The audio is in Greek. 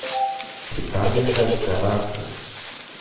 Κοιτάζει στ’ αριστερά του